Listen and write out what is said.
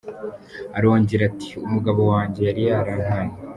Arongera ati “Umugabo wanjye yari yarantaye.